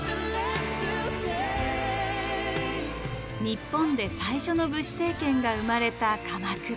日本で最初の武士政権が生まれた鎌倉。